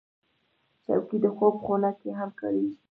چوکۍ د خوب خونه کې هم کارېږي.